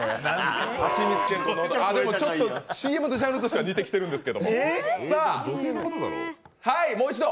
ちょっとＣＭのジャンルとしては似てきてるんですが。